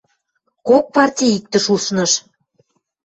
Кок партьы иктӹш ушныш.